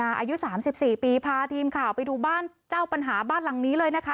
อายุ๓๔ปีพาทีมข่าวไปดูบ้านเจ้าปัญหาบ้านหลังนี้เลยนะคะ